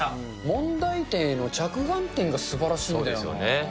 問題点への着眼点がすばらしそうですよね。